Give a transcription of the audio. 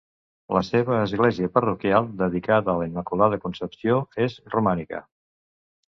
La seva església parroquial, dedicada a la Immaculada Concepció, és romànica.